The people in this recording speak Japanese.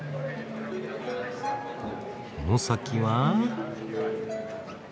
この先は？